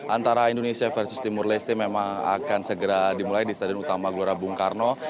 antara indonesia versus timur leste memang akan segera dimulai di stadion utama gelora bung karno